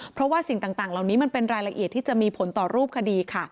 เพราะว่าสิ่งต่างเหล่านี้มันเป็นรายละเอียดที่จะมีผลต่อรูปคดีค่ะ